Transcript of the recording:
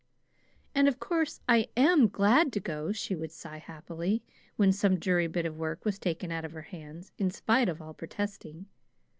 "And of course I AM glad to go," she would sigh happily, when some dreary bit of work was taken out of her hands in spite of all protesting.